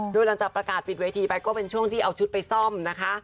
โดยหลังจากประกาศปิดเวทีไปก็เป็นช่วงที่เอาชุดไปซ่อมนะคะ